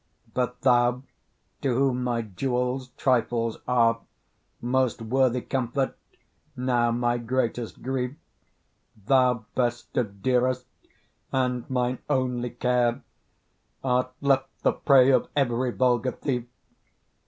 But thou, to whom my jewels trifles are, Most worthy comfort, now my greatest grief, Thou best of dearest, and mine only care, Art left the prey of every vulgar thief.